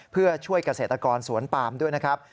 เพื่อช่วยเกษตรกรสวนปามด้วยนะครับ